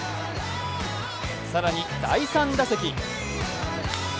更に、第３打席。